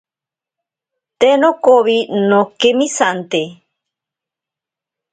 Te nokowi nokemisante.